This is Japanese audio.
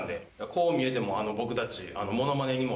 こう見えても僕たち。